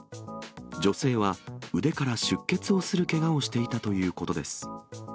女性は、腕から出血をするけがをしていたということです。